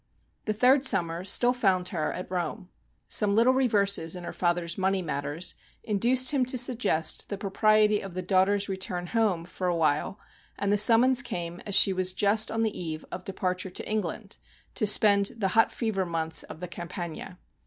The third summer still found her at Rome. Some little reverses in her father's money matters, induced him to suggest the propriety of the daughter's return home, for awhile, and the summons came as she was just on the eve of departure to Eng land, to spend the hot fever months of the Campagna.